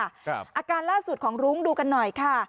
อาการล่าสุดของรุ้งดูกันหน่อยค่ะ